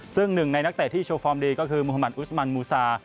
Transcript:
ซึ่งหนึ่งในนักเตะที่โชว์ฟอร์มดีก็คือมุธมันอุสมันมูซา